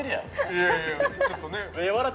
◆いやいや、ちょっと、ねっ。